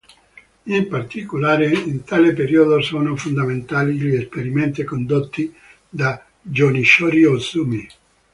In particolare, in tale periodo, sono fondamentali gli esperimenti condotti da Yoshinori Ōsumi.